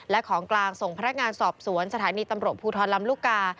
และของกลางส่งพนักงานสอบสวนสถานีตำรวจภูทรลำลูกกา